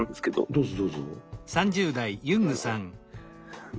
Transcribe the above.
どうぞどうぞ。